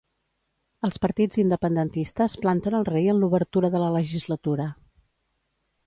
Els partits independentistes planten el rei en l'obertura de la legislatura.